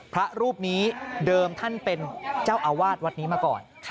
พระรูปนี้เดิมท่านเป็นเจ้าอาวาสวัดนี้มาก่อน